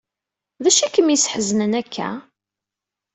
D acu i kem-yesḥeznen akka?